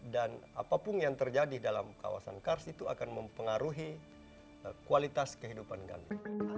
dan apapun yang terjadi dalam kawasan kars itu akan mempengaruhi kualitas kehidupan kami